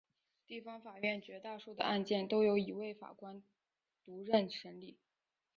地方法院绝大多数的案件都由一位法官独任审理。